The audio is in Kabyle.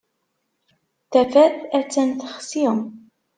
Tafat ha-tt-an texsi.